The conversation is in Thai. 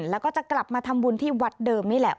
แล้วก็จะกลับมาทำบุญที่วัดเดิมนี่แหละ